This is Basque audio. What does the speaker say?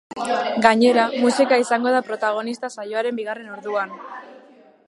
Gainera, musika izango da protagonista saioaren bigarren orduan.